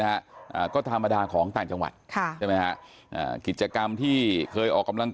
นะก็ธรรมดาของต่างจังหวัดคิตเกิดกามที่เคยออกกำลัง